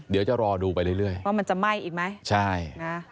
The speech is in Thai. เดี๋ยวจะรอดูไปเรื่อยว่ามันจะไหม้อีกไหมใช่นะ